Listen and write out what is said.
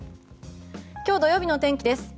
今日、土曜日の天気です。